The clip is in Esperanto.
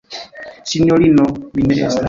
Sinjorino, mi ne estas.